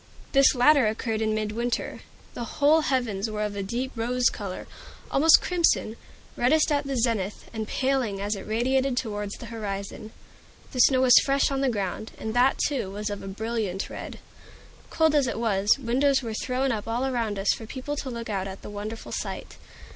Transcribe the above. This latter occurred in midwinter. The whole heavens were of a deep rose color almost crimson reddest at the zenith, and paling as it radiated towards the horizon. The snow was fresh on the ground, and that, too, was of a brilliant red. Cold as it was, windows were thrown up all around us for people to look out at the wonderful sight.